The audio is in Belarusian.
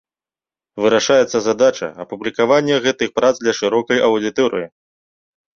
Вырашаецца задача апублікавання гэтых прац для шырокай аўдыторыі.